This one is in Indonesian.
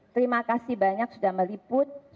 terima kasih banyak sudah meliput